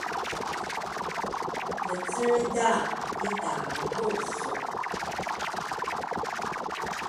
Lecega lri daruru su